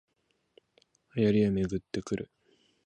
流行りはめぐってくる